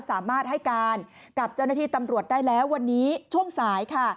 สามารถให้การกับเจ้าหน้าที่ตำรวจได้แล้ววันนี้ช่วงสายค่ะ